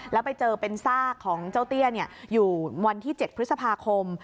แล้วไปเจอเป็นซากของเจ้าเตี้ยอยู่วันที่๗พฤษภาคม